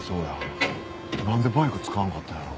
なんでバイク使わんかったんやろ？